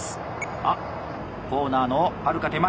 あっコーナーのはるか手前